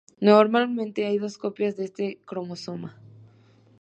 Normalmente hay dos copias de este cromosoma.